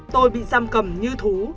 tôi bị giam cầm như thú